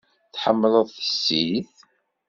Tḥemmleḍ tissit?